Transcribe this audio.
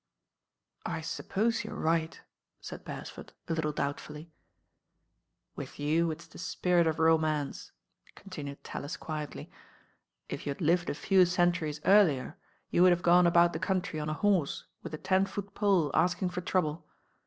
"I suppose you're right," said Beresford a little doubtfully. "With you it*!* the spirit of romance," continued Tallis quietly. "If you had lived a few centuries earlier, you would have gone about the country on a horse with a ten foot pole asking for trouble.